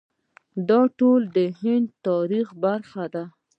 دا ټول د هند د تاریخ برخه ده.